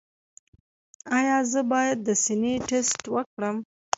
ایا زه باید د سینې ټسټ وکړم؟